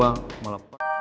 nanti gue jemputin dia